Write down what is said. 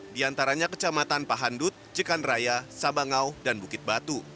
di antaranya kecamatan pahandut cekan raya sabangau dan bukit batu